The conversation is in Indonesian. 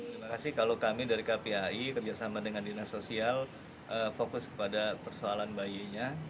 terima kasih kalau kami dari kpai kerjasama dengan dinas sosial fokus kepada persoalan bayinya